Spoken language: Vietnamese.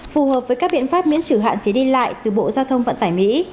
phù hợp với các biện pháp miễn trừ hạn chế đi lại từ bộ giao thông vận tải mỹ